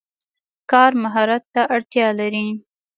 کار مهارت ته اړتیا لري.